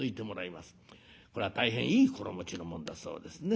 これは大変いい心持ちのもんだそうですね。